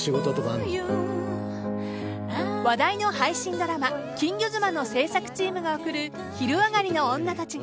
話題の配信ドラマ「金魚妻」の制作チームが送る「昼上がりのオンナたち」。